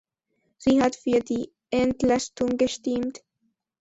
Sie hat für die Entlastung gestimmt.